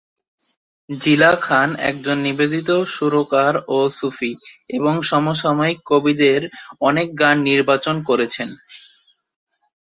জিলা খান একজন নিবেদিত সুরকার ও সুফি এবং সমসাময়িক কবিদের অনেক গান নির্বাচন করেছেন।